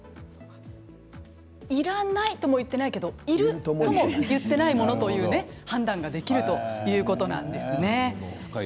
いらないとも言っていないけどいるとも言っていないとそれで判断できるということですね。